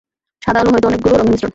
সাদা আলো হয়তো অনেকগুলো রঙের মিশ্রণ।